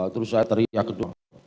terus saya teriak kedua